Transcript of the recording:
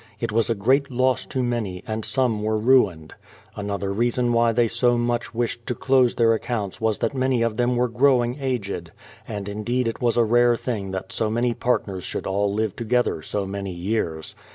It was a great loss to many, and some were ruined. Another reason why they so much wished to close their accounts was that many of them were growing aged, — and indeed it was a rare thing that so many partners should all live together so many years.